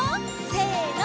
せの！